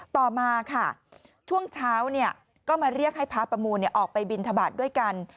ต่อมาค่ะช่วงเช้าก็มาเรียกให้พระประมูลออกไปบินทบาทด้วยกัน